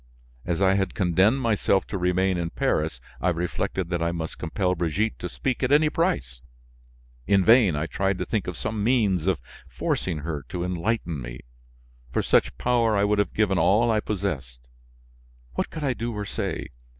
As I had condemned myself to remain in Paris, I reflected that I must compel Brigitte to speak at any price. In vain, I tried to think of some means of forcing her to enlighten me; for such power, I would have given all I possessed. What could I do or say?